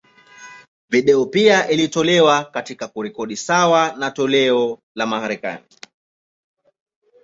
Video pia iliyotolewa, katika rekodi sawa na toleo la Marekani.